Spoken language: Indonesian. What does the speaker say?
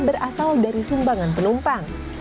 berasal dari sumbangan penumpang